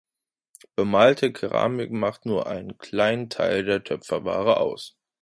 Bemalte Keramik macht nur einen kleinen Teil der Töpferware aus.